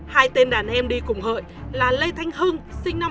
hai tên đàn em đi cùng hợi là lê thanh hưng sinh năm một nghìn chín trăm tám